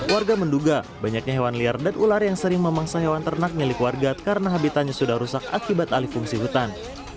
warga menduga banyaknya hewan liar dan ular yang sering memangsa hewan ternak milik warga karena habitatnya sudah rusak akibat alih fungsi hutan